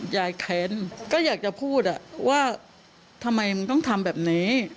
แค้นก็อยากจะพูดว่าทำไมมึงต้องทำแบบนี้